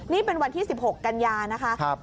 นี่เป็นวันที่๑๖กันยานะคะ